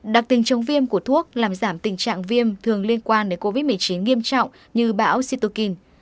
đặc tình chống viêm của thuốc làm giảm tình trạng viêm thường liên quan đến covid một mươi chín nghiêm trọng như bão situkin